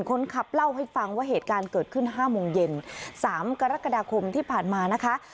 คนขับเล่าให้ฟังว่าเหตุการณ์เกิดขึ้น๕โมงเย็น๓กรกฎาคมที่ผ่านมานะคะ